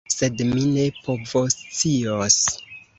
Sed mi ne povoscios.